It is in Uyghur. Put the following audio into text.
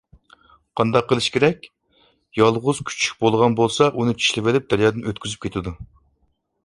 قانداق قىلىش كېرەك؟ يالغۇز كۈچۈك بولغان بولسا ئۇنى چىشلىۋېلىپ دەريادىن ئۆتكۈزۈپ كېتىدۇ.